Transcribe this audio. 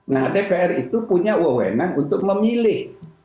nah dpr itu punya wewenang untuk memilih